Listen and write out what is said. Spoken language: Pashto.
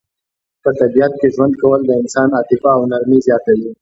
په طبیعت کې ژوند کول د انسان عاطفه او نرمي زیاتوي.